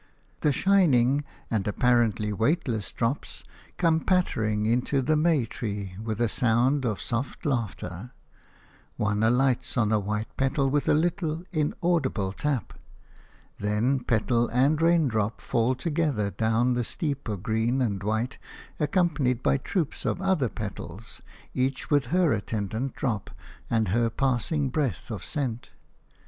The shining and apparently weightless drops come pattering into the may tree with a sound of soft laughter; one alights on a white petal with a little inaudible tap; then petal and raindrop fall together down the steeps of green and white, accompanied by troops of other petals, each with her attendant drop and her passing breath of scent.